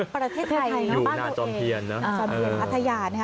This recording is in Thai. ประเทศไทยครับพัฒนภาพตัวเองอาทญาติ